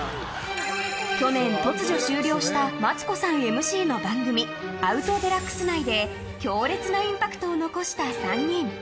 去年、突如終了したマツコさんＭＣの番組「アウト×デラックス」内で強烈なインパクトを残した３人。